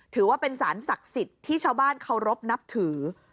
ถือว่าเป็นสารศักดิ์สิทธิ์ที่ชาวบ้านเคารพนับถือ